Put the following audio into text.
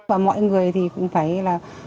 và mọi người thì cũng phải là